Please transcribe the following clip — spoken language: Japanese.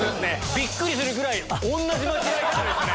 びっくりするぐらい同じ間違い方でしたね。